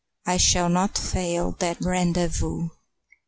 I shall not fail that rendezvous.